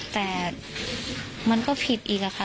แต่มันก็ผิดอีกค่ะ